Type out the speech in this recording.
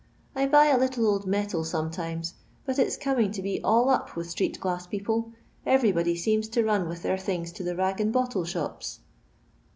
I buy a little old metal some times, but it 's coming to be all up with street glass people; everybody seems to run with their things to the rsg and bottle shope."